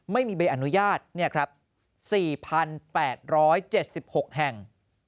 ไม่มีใบอนุญาต๔๘๗๖แห่ง